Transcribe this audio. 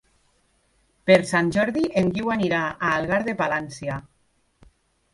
Per Sant Jordi en Guiu anirà a Algar de Palància.